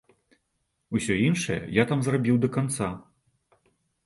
Усё іншае я там зрабіў да канца.